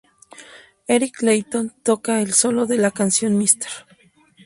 Eric Clapton toca el solo de la canción "Mr.